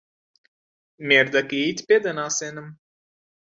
مێردەکەیت پێ دەناسێنم.